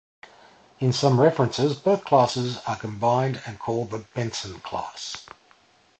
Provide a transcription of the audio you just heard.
In some references both classes are combined and called the "Benson" class.